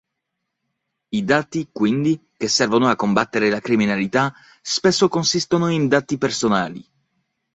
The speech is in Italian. I dati, quindi, che servono a combattere la criminalità, spesso consistono in dati personali.